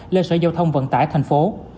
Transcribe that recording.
lên sở giao thông vận tải tp hcm